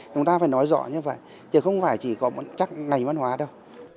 chúng ta phải nói rõ như vậy chứ không phải chỉ có một chắc ngành văn hóa đâu